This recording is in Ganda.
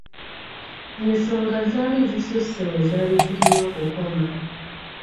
Ensonga zaali zisusse we zaali zirina okukoma.